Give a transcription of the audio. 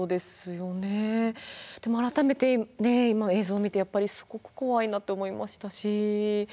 でも改めてね今映像見てやっぱりすごく怖いなと思いましたし。